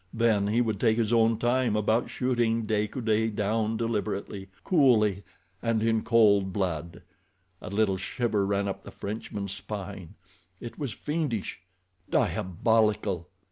Then he would take his own time about shooting De Coude down deliberately, coolly, and in cold blood. A little shiver ran up the Frenchman's spine. It was fiendish—diabolical.